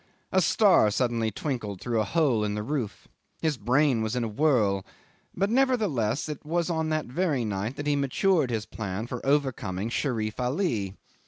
A star suddenly twinkled through a hole in the roof. His brain was in a whirl; but, nevertheless, it was on that very night that he matured his plan for overcoming Sherif Ali.